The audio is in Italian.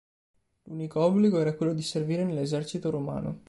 L'unico obbligo era quello di servire nell'esercito romano.